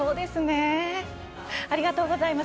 ありがとうございます。